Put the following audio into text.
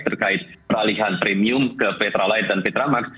terkait peralihan premium ke petra light dan petra max